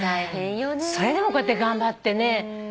それでもこうやって頑張ってね。